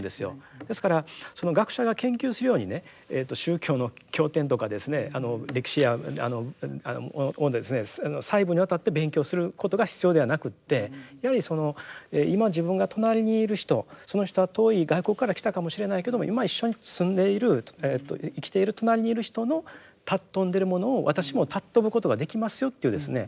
ですから学者が研究するようにね宗教の経典とかですね歴史や細部にわたって勉強することが必要ではなくってやはり今自分が隣にいる人その人は遠い外国から来たかもしれないけども今一緒に住んでいる生きている隣にいる人の尊んでるものを私も尊ぶことができますよというですね